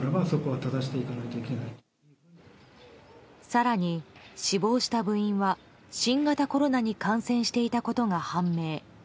更に、死亡した部員は新型コロナに感染していたことが判明。